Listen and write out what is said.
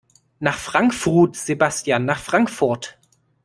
Nach Frankfrut Sebastian, nach Frankfurt!